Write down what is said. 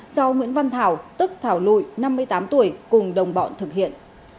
do nguyễn văn thảo tức thảo lụy năm mươi tám tuổi cùng đồng bọn thực hiện